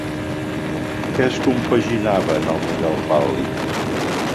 Què es compaginava en el model Pal·li?